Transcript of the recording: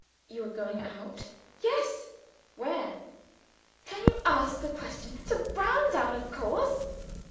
"You are going out?" "Yes." "Where?" "Can you ask the question? To Browndown of course!"